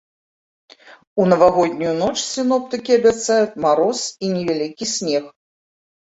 У навагоднюю ноч сіноптыкі абяцаюць мароз і невялікі снег.